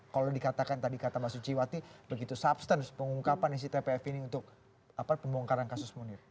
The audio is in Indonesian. kalau dikatakan tadi kata mas suciwati begitu substance pengungkapan yang si tpf ini untuk pemongkaran kasus munir